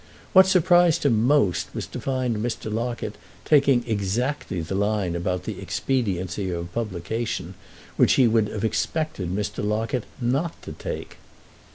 What surprised him most was to find Mr. Locket taking exactly the line about the expediency of publication which he would have expected Mr. Locket not to take.